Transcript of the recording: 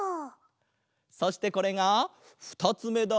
そしてこれが２つめだ。